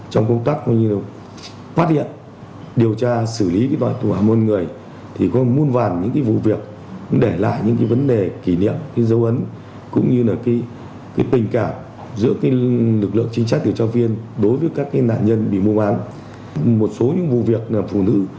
trong công tác phát hiện điều tra xử lý tội phạm mua bán người thì có muôn vàn những vụ việc để lại những vấn đề kỷ niệm dấu ấn cũng như là tình cảm giữa lực lượng chính trách điều tra viên